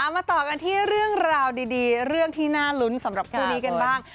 มาต่อกันที่เรื่องราวดีเรื่องที่น่าลุ้นสำหรับคู่นี้กันบ้าง